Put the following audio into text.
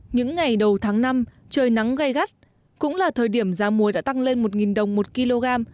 những ngày đầu tháng năm trời nắng gây gắt cũng là thời điểm giá muối đã tăng lên một đồng một kg